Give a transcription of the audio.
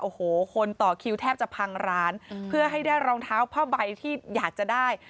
โอ้โหคนต่อคิวแทบจะพังร้านเพื่อให้ได้รองเท้าผ้าใบที่อยากจะได้